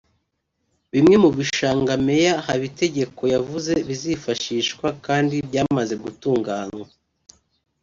Bimwe mubishanga Meya Habitegeko yavuze bizifashishwa kandi byamaze gutunganwa